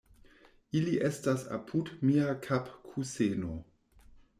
Ili estas apud mia kapkuseno.